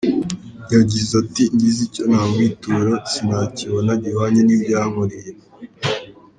Yagize ati “Ngize icyo namwitura sinakibona gihwanye n’ibyo yankoreye.